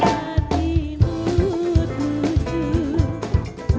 jumat di nutujuk